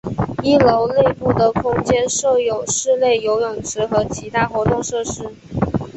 一楼内部的空间设有室内游泳池和其他活动设施。